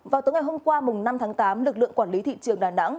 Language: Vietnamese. vào tối ngày hôm qua năm tháng tám lực lượng quản lý thị trường đà nẵng